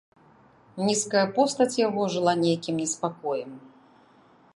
Нізкая постаць яго жыла нейкім неспакоем.